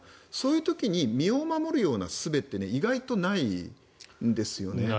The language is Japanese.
そういう時に身を守るようなすべって意外とないんですね。